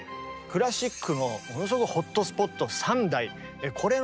クラシックのものすごくホットスポット３代これをね